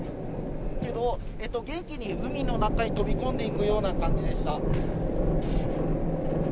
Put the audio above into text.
けど、元気に海の中へ飛び込んでいくような感じでした。